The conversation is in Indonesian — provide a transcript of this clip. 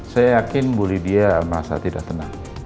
saya yakin ibu lydia merasa tidak tenang